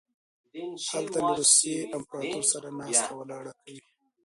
هلته له روسیې امپراطور سره ناسته ولاړه کوي.